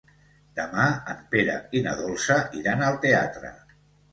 Demà en Pere i na Dolça iran al teatre.